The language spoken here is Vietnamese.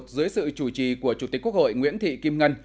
dưới sự chủ trì của chủ tịch quốc hội nguyễn thị kim ngân